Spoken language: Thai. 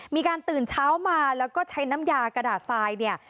ตื่นเช้ามาแล้วก็ใช้น้ำยากระดาษทรายเนี่ย